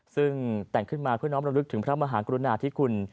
ซึ่งแต่งขึ้นมาเพื่อน้องระลึกถึงพระมหากรุณาธิคุณ